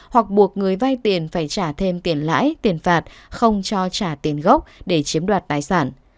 hoặc buộc người vay tiền phải trả thêm tiền lãi tiền phạt không cho trả tiền gốc để chiếm đoạt tài sản